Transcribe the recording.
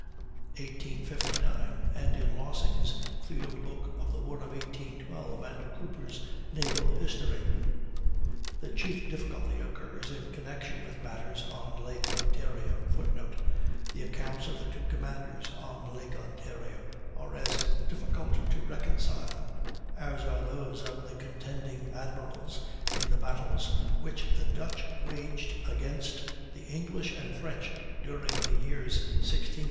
(1859), and in Lossing's "Field Book of the War of 1812," and Cooper's "Naval History." The chief difficulty occurs in connection with matters on Lake Ontario, [Footnote: The accounts of the two commanders on Lake Ontario are as difficult to reconcile as are those of the contending admirals in the battles which the Dutch waged against the English and French during the years 1672 1675.